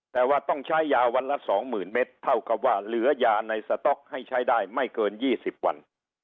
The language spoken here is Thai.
แต่ว่าต้องใช้ยาวันละ๒๐๐๐เมตรเท่ากับว่าเหลือยาในสต๊อกให้ใช้ได้ไม่เกิน๒๐วัน